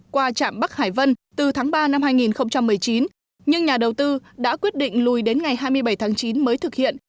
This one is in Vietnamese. qua trạm bắc hải vân từ tháng ba năm hai nghìn một mươi chín nhưng nhà đầu tư đã quyết định lùi đến ngày hai mươi bảy tháng chín mới thực hiện